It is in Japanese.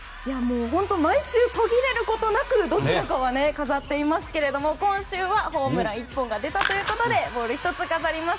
本当に毎週途切れることなくどちらかに飾っていますけども今週はホームラン１本が出たということでボール１つ飾ります。